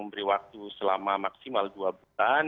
memberi waktu selama maksimal dua bulan